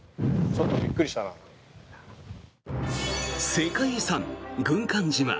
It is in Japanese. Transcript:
世界遺産、軍艦島。